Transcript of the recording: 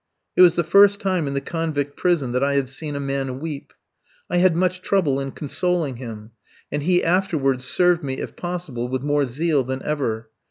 It was the first time in the convict prison that I had seen a man weep. I had much trouble in consoling him; and he afterwards served me, if possible, with more zeal than ever.